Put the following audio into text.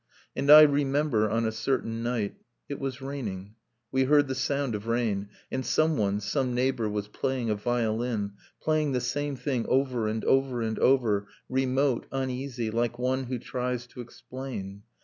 .. And I remember, on a certain night. .. It was raining. . .we heard the sound of rain. .. And someone, some neighbor, was playing a violin, — Playing the same thing over and over and over, Remote, uneasy, like one who tries to explain.